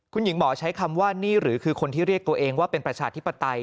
คุณหญิงหมอใช้คำว่านี่หรือคือคนที่เรียกตัวเองว่าเป็นประชาธิปไตย